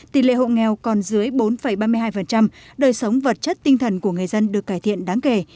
tỷ lệ hộ nghèo còn dưới bốn ba mươi hai đời sống vật chất tinh thần của người dân được cải thiện đáng kể